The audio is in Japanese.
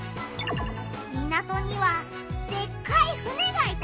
港にはでっかい船がいたな！